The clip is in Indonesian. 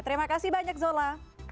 terima kasih banyak zola